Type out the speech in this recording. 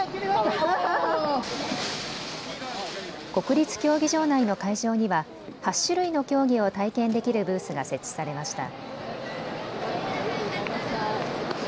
国立競技場内の会場には８種類の競技を体験できるブースが設置されました。